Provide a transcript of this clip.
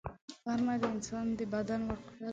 غرمه د انسان د بدن وقفه ده